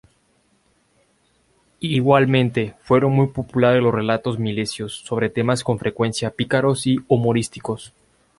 Igualmente fueron muy populares los relatos milesios sobre temas con frecuencia pícaros y humorísticos.